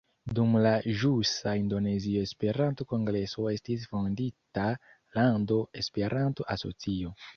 Dum la ĵusa Indonezia Esperanto-kongreso estis fondita landa Esperanto-asocio.